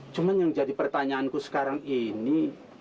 cuma yang jadi pertanyaanku sekarang ini